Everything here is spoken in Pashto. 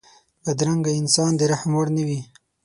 بدرنګه انسان د رحم وړ نه وي